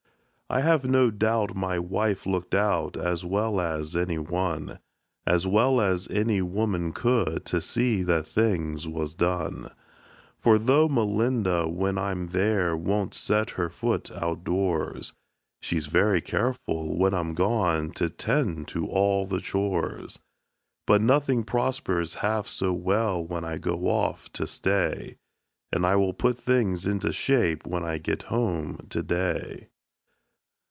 I have no doubt my wife looked out, as well as any one As well as any woman could to see that things was done: For though Melinda, when I'm there, won't set her foot outdoors, She's very careful, when I'm gone, to tend to all the chores. But nothing prospers half so well when I go off to stay, And I will put things into shape, when I get home to day.